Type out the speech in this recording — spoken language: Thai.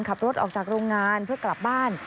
ขับรถออกจากโรงงานเพื่อกลับบ้าน